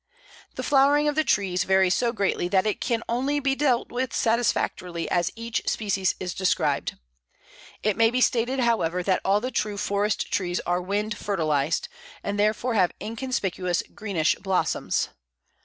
The flowering of the trees varies so greatly that it can only be dealt with satisfactorily as each species is described. It may be stated, however, that all the true forest trees are wind fertilized, and therefore have inconspicuous greenish blossoms.